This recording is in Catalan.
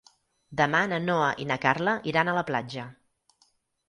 Demà na Noa i na Carla iran a la platja.